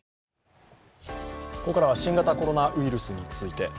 ここからは新型コロナウイルスについて。